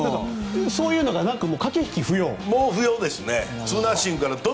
そういうのが駆け引き不要と。